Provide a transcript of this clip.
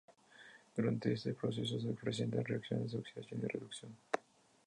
Durante este proceso se presentan reacciones de oxidación y reducción.